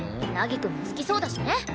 凪くんも好きそうだしね。